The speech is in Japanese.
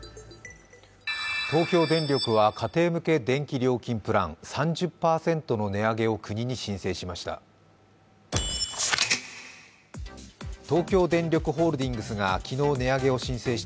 東京電力は家庭向け電力料金プランの３０％の値上げを国に申請しました。